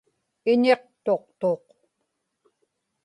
iñiqtuqtuq